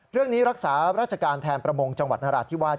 รักษาราชการแทนประมงจังหวัดนราธิวาส